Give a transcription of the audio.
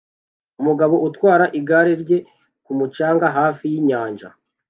Umugabo utwara igare rye ku mucanga hafi yinyanja